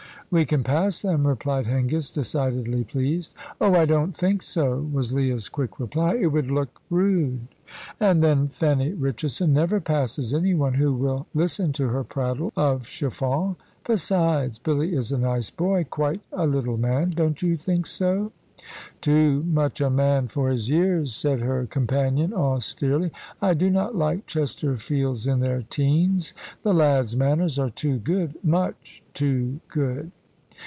"We can pass them," replied Hengist, decidedly pleased. "Oh, I don't think so," was Leah's quick reply. "It would look rude; and then, Fanny Richardson never passes any one who will listen to her prattle of chiffons. Besides, Billy is a nice boy quite a little man. Don't you think so?" "Too much a man for his years," said her companion, austerely. "I do not like Chesterfields in their teens. The lad's manners are too good much too good."